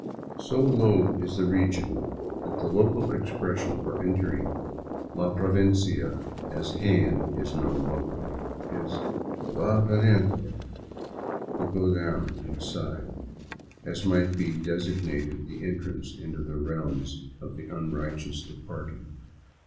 So low is the region that 235 VAGABONDING DOWN THE ANDES the local expression for entering " la Provincia," as Jaen is known locally, is " Va pa' dentro — to go down inside," as might be designated the entrance into the realms of the unrighteous departed.